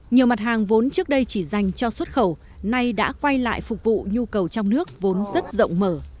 nhiều mặt hàng vốn trước đây chỉ dành cho xuất khẩu nay đã quay lại phục vụ nhu cầu trong nước vốn rất rộng mở